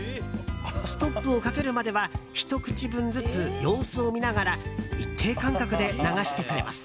ストップをかけるまではひと口分ずつ、様子を見ながら一定間隔で流してくれます。